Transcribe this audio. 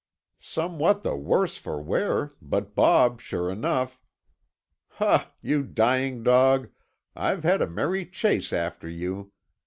Somewhat the worse for wear, but Bob, sure enough. Ha, you young dog, I've had a merry chase after you.